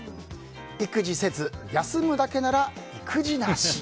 「育児せず休むだけならいくじなし」。